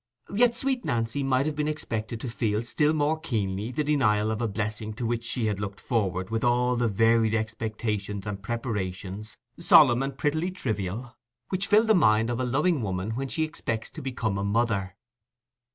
Yet sweet Nancy might have been expected to feel still more keenly the denial of a blessing to which she had looked forward with all the varied expectations and preparations, solemn and prettily trivial, which fill the mind of a loving woman when she expects to become a mother.